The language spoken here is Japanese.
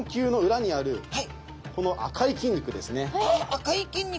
赤い筋肉。